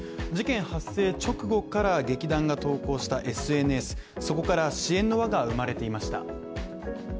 事件発生直後から劇団が投稿したＳＮＳ、そこから支援の輪が生まれていました。